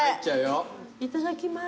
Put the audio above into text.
いただきます。